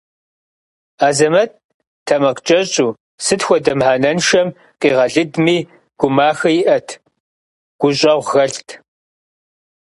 Азэмэт тэмакъкӏэщӏу, сыт хуэдэ мыхьэнэншэм къигъэлыдми, гумахэ иӏэт, гущӏэгъу хэлът.